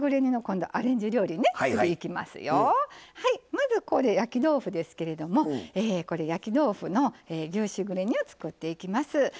まずこれ焼き豆腐ですけれども焼き豆腐の牛しぐれ煮を作っていきます。